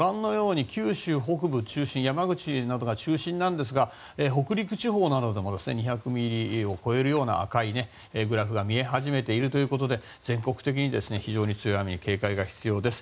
九州北部や山口が中心ですが北陸地方などでも２００ミリを超えるような赤いグラフが見え始めているということで全国的に強い雨に警戒が必要です。